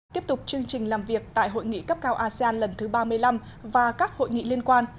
tiếp tục chương trình làm việc tại hội nghị cấp cao asean lần thứ ba mươi năm và các hội nghị liên quan